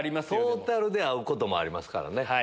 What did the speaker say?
トータルで合うこともあります。